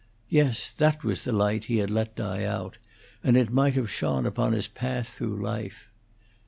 Yes, that was the light he had let die out, and it might have shone upon his path through life.